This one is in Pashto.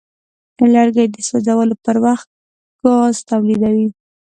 لرګی د سوځولو پر وخت ګاز تولیدوي.